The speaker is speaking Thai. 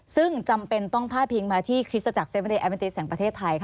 ซึ่งจำเป็นต้องพาพิงมาที่คริสตจักรเซ็นต์ประเทศแสงประเทศไทย